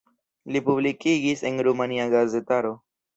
Li publikigis en rumania gazetaro.